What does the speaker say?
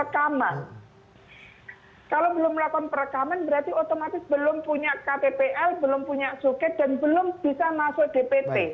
kalau belum melakukan perekaman berarti otomatis belum punya ktpl belum punya suket dan belum bisa masuk dpt